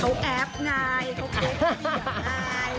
เขาแอบง่ายเขาโกรธอย่างง่าย